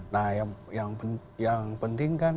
nah yang penting kan